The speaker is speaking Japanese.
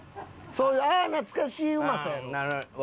そういう「ああ懐かしい」うまさやろ。